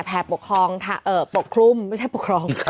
ปกครองปกคลุมไม่ใช่ปกครอง